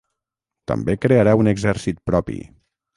També crearà un exèrcit propi.